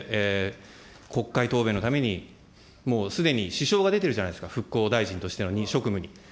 国会答弁のために、もうすでに支障が出てるじゃないですか、復興大臣としての職務に。